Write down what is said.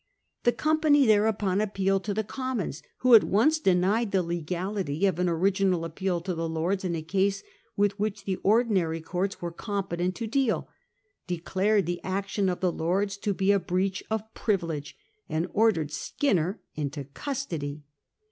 The company thereupon appealed to the Commons, who at once denied the legality of an original appeal to the Lords in a case with which the ordinary courts were competent to deal, declared the action of the Lords to be a breach of privilege, and ordered Skinner into custody.